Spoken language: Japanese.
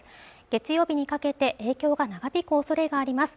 月曜日にかけて影響が長引く恐れがあります